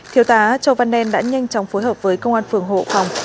thiếu tá châu văn nen đã nhanh chóng phối hợp với công an phường hộ phòng